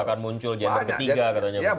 akan muncul gender ketiga katanya